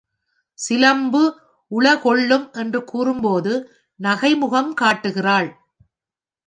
சிலம்பு உள கொள்ளும் என்று கூறும்போது நகைமுகம் காட்டுகிறாள்.